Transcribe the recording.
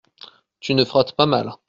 Tu ne frottes pas mal…